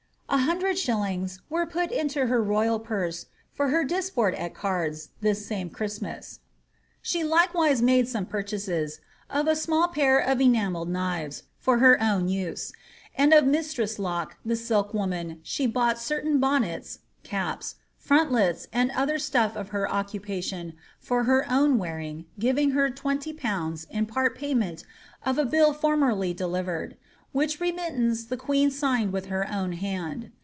A hundred shillings were put into her royal purse for her ^'disport at eirds'' this same Christmas. She likewise made some purchases, as of I small pair of enajnelled knives, for her own use; and of mistress Lock, the silkwoman, she bought ^^ certain bonnets (caps), frontlets, and other stuff of her occupation for her own wearing, giving her 20/. in part payment of a bill formerly delivered," which remittance the queen signed with her own hand.